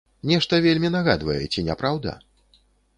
Нешта вельмі нагадвае, ці не праўда?